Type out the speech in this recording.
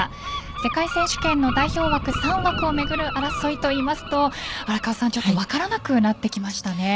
世界選手権の代表枠３枠を巡る争いといいますと荒川さん、ちょっと分からなくなってきましたね。